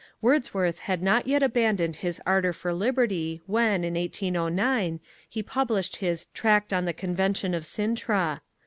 Wordsworth had not yet abandoned his ardour for liberty when, in 1809, he published his _Tract on the Convention of Cintra.